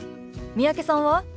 三宅さんは？